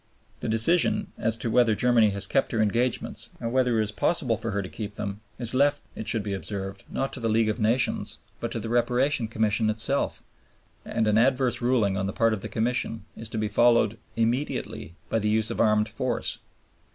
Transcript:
The decision, as to whether Germany has kept her engagements and whether it is possible for her to keep them, is left, it should be observed, not to the League of Nations, but to the Reparation Commission itself; and an adverse ruling on the part of the Commission is to be followed "immediately" by the use of armed force.